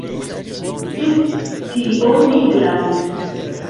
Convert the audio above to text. Sed tio ne gravis.